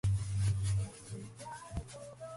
Construction engineers are problem solvers.